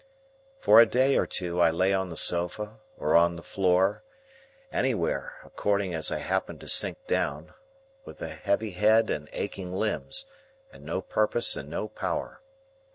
For a day or two, I lay on the sofa, or on the floor,—anywhere, according as I happened to sink down,—with a heavy head and aching limbs, and no purpose, and no power.